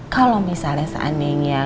kalo misalnya seandainya